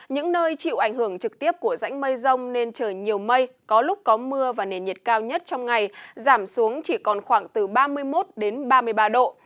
những nơi chịu ảnh hưởng trực tiếp của rãnh mây rông nên trời nhiều mây có lúc có mưa và nền nhiệt cao nhất trong ngày giảm xuống chỉ còn khoảng từ ba mươi một đến ba mươi ba độ